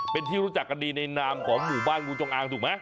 เป็นที่รู้จักกันดีในนามของหมู่บ้านงูจงอางถูกไหม